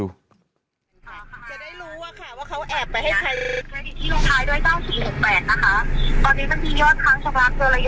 ไม่มีคาแสดงจริงหรอ